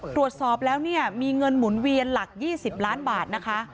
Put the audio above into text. ตรวจสอบแล้วเนี่ยมีเงินหมุนเวียนหลัก๒๐ล้านบาทนะคะ